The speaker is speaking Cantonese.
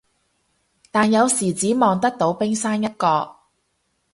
但有時只望得到冰山一角